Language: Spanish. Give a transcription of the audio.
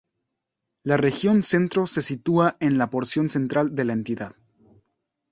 La región Centro se sitúa en la porción central de la entidad.